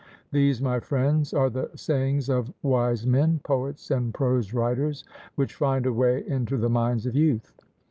These, my friends, are the sayings of wise men, poets and prose writers, which find a way into the minds of youth.